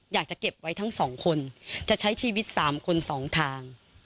อยากจะเก็บไว้ทั้งสองคนจะใช้ชีวิต๓คน๒ทาง